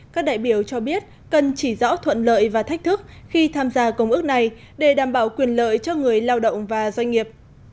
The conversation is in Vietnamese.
các đại biểu cho biết cần chỉ rõ thuận lợi và thách thức khi tham gia công ước này để đảm bảo quyền lợi cho người lao động và doanh nghiệp